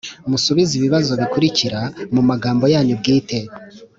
musubize ibibazo bikurikira mu mugambo yanyu bwite